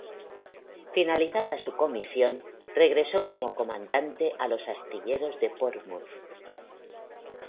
Finalizada su comisión, regresó como comandante a los astilleros de Portsmouth.